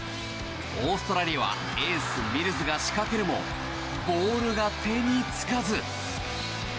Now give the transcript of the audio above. オーストラリアはエース、ミルズがしかけるもボールが手につかず。